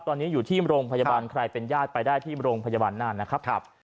ตอนนี้อยู่ที่โรงพยาบาลใครเป็นญาติไปได้ที่โรงพยาบาลน่านนะครับ